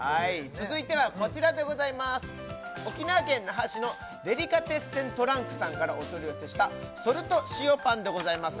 続いてはこちらでございます沖縄県那覇市のデリカテッセントランクさんからお取り寄せしたＳＡＬＴでございます